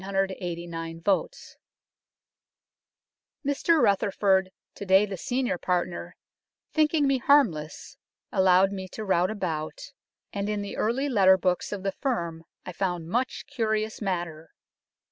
10,989 Mr Rutherford, to day the senior partner, thinking me harmless allowed me to rout about, and in the early letter books of the firm I found much curious matter.